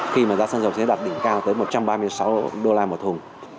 khi mà giá xăng dầu thế đạt đỉnh cao tới một trăm ba mươi sáu đô la một thùng